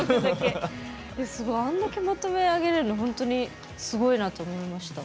すごいあんだけまとめ上げれるの本当にすごいなと思いました。